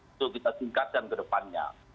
untuk kita singkatkan ke depannya